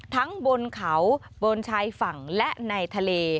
ทั้งบนเกาะบนชายฝั่งและในทะเล